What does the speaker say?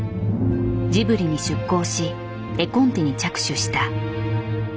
ジブリに出向し絵コンテに着手した。